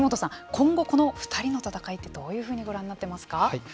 今後この２人の戦いってどういうふうにご覧になっていますか。